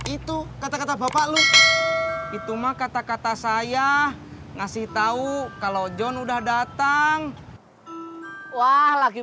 itu kata kata bapak lu itu mah kata kata saya ngasih tahu kalau john udah datang wah lagi